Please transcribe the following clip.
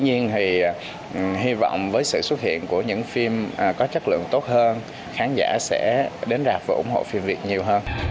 hi vọng với sự xuất hiện của những phim có chất lượng tốt hơn khán giả sẽ đến rạp và ủng hộ phim việt nhiều hơn